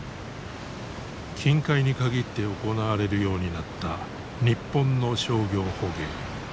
近海に限って行われるようになった日本の商業捕鯨。